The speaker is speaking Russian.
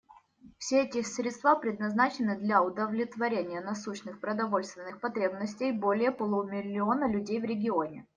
Все эти средства предназначены для удовлетворения насущных продовольственных потребностей более полумиллиона людей в регионе.